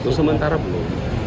jadi sementara pak ada kekerasan